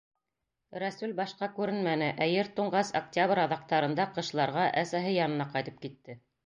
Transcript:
Рәсүл башҡа күренмәне, ә ер туңғас, октябрь аҙаҡтарында ҡышларға әсәһе янына ҡайтып китте.